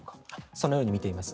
そのように見ています。